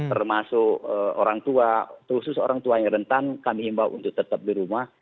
termasuk orang tua khusus orang tua yang rentan kami himbau untuk tetap di rumah